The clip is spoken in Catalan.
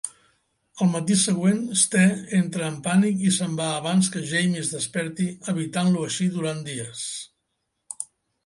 El matí següent, Ste entra en pànic i se'n va abans que Jamie es desperti, evitant-lo així durant dies.